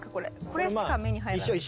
これしか目に入らない。